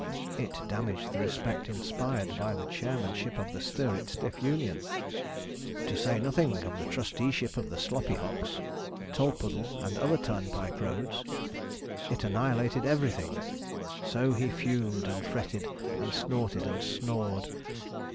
It damaged the respect inspired by the chairmanship of the Stir it stiff Union, to say nothing of the trusteeship of the Sloppyhocks, Tolpuddle, and other turnpike roads. It annihilated everything. So he fumed, and fretted, and snorted, and snored.